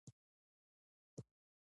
په ډیر ټیټ غږ فضل را ته و ویل: